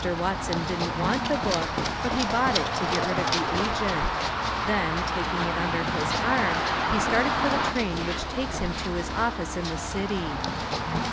Watson didn't want the book, but he bought it to get rid of the agent; then, taking it under his arm, he started for the train which takes him to his office in the city.